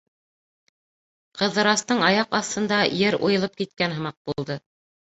Ҡыҙырастың аяҡ аҫтында ер уйылып киткән һымаҡ булды.